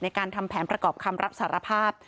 ทำแผนประกอบคำรับสารภาพ